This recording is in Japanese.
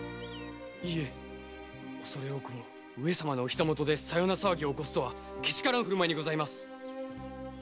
いえおそれ多くも上様のお膝元でさような騒ぎを起こすとはけしからん振る舞いにございます。